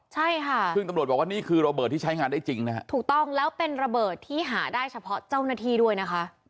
ใช่ค่ะซึ่งตำรวจบอกว่านี่คือระเบิดที่ใช้งานได้จริงนะฮะถูกต้องแล้วเป็นระเบิดที่หาได้เฉพาะเจ้าหน้าที่ด้วยนะคะ